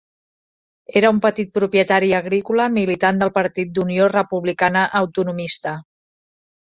Era un petit propietari agrícola militant del Partit d'Unió Republicana Autonomista.